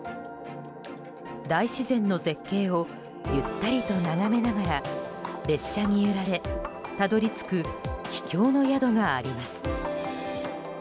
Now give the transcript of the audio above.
大自然の絶景をゆったりと眺めながら列車に揺られ、たどり着く秘境の宿があります。